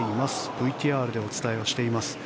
ＶＴＲでお伝えをしています。